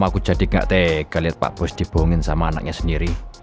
aku jadi gak tega lihat pak bos dibohongin sama anaknya sendiri